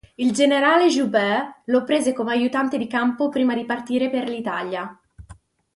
Il generale Joubert lo prese come aiutante di campo prima di partire per l'Italia.